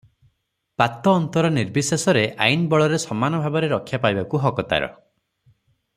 ପାତଅନ୍ତର ନିର୍ବିଶେଷରେ ଆଇନ ବଳରେ ସମାନ ଭାବରେ ରକ୍ଷା ପାଇବାକୁ ହକଦାର ।